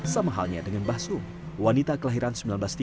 sama halnya dengan mbah sum wanita kelahiran seribu sembilan ratus tiga puluh